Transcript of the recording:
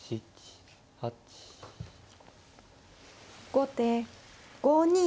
後手５二金。